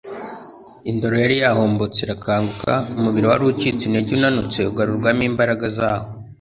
Indoro yari yahombetse irakanguka, umubiri wari ucitse intege unanutse ugarurwamo imbaraga zawo.